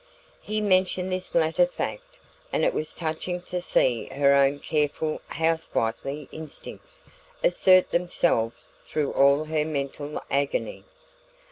He mentioned this latter fact, and it was touching to see her own careful housewifely instincts assert themselves through all her mental agony.